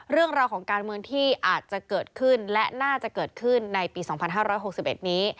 เรื่องราวของการเมืองที่อาจจะเกิดขึ้นและน่าจะเกิดขึ้นในปี๒๕๖๑นี้